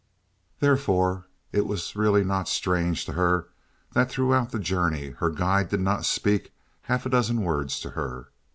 Therefore, it was really not strange to her that throughout the journey her guide did not speak half a dozen words to her.